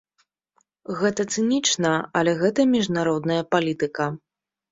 Гэта цынічна, але гэта міжнародная палітыка.